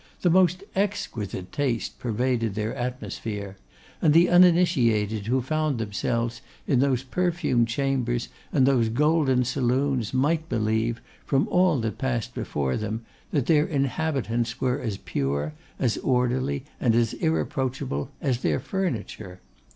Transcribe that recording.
The most exquisite taste pervaded their atmosphere; and the uninitiated who found themselves in those perfumed chambers and those golden saloons, might believe, from all that passed before them, that their inhabitants were as pure, as orderly, and as irreproachable as their furniture.